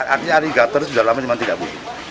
artinya aligator sudah lama tapi tidak butuh